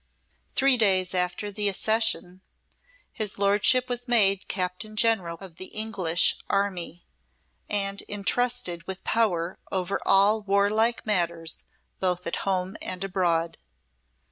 Three days after the accession his Lordship was made Captain General of the English army, and intrusted with power over all warlike matters both at home and abroad.